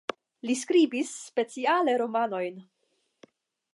Li skribis speciale romanojn.